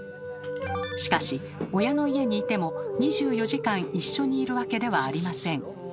しかし親の家にいても２４時間一緒にいるわけではありません。